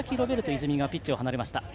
泉がピッチを外れました。